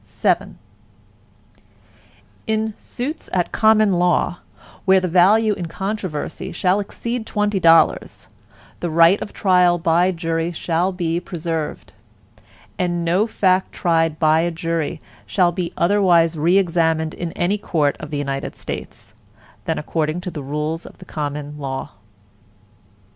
VII In suits at common law, where the value in controversy shall exceed twenty dollars, the right of trial by jury shall be preserved, and no fact tried by a jury shall be otherwise re examined in any court of the United States, than according to the rules of the common law.